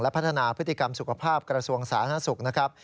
พัฒนาพฤติกรรมสุขภาพกระทรวงสาธารณสุขนะครับ